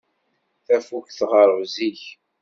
Tafukt tɣerreb zik.